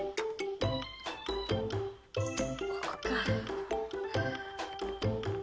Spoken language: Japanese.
ここかぁ。